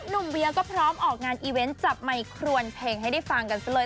เวียก็พร้อมออกงานอีเวนต์จับไมครวนเพลงให้ได้ฟังกันซะเลย